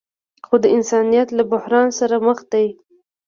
خو د انسانیت له بحران سره مخ دي.